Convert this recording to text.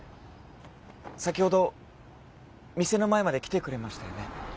先ほど店の前まで来てくれましたよね。